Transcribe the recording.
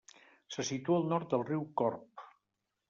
Se situa al nord del riu Corb.